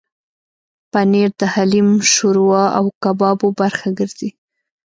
پنېر د حلیم، شوروا او کبابو برخه ګرځي.